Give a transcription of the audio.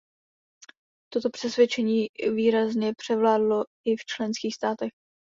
Toto přesvědčení výrazně převládlo i v členských státech.